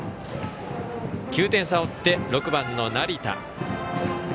９点差を追って６番の成田。